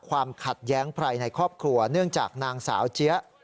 ความขัดแย้งภายในครอบครัวเนื่องจากนางสาวเจี๊ยะ